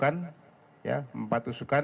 kemudian di dada ini ada empat tusukan